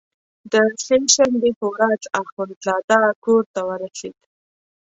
د سې شنبې په ورځ اخندزاده کورته ورسېد.